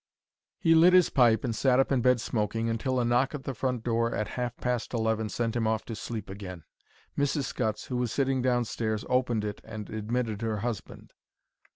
He lit his pipe and sat up in bed smoking until a knock at the front door at half past eleven sent him off to sleep again. Mrs. Scutts, who was sitting downstairs, opened it and admitted her husband.